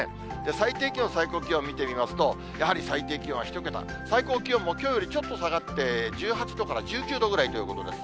最低気温、最高気温見てみますと、やはり最低気温は１桁、最高気温もきょうよりちょっと下がって、１８度から１９度ぐらいということです。